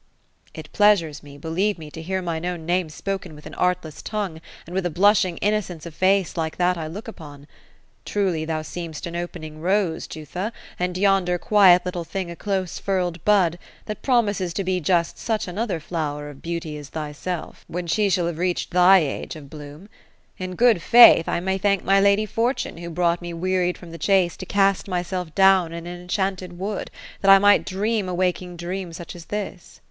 '^ It pleasures me, believe me, to hear mine own name spoken with an artless tongue, and with a blushing innocence of face like that I look upon. Truly, thou seem'st an opening rose, Jutha, and yonder quiet little thing a close furled bud, that promises to be just such another flower of beauty as thyself, when she shall have reached thine age of 208 OPHELIA ; bloom. In good faith, I may thank my lady Fortune, who brought me wearied from the chase to cast myself down in an enchanted wood, that I might dream a waking dream such as this."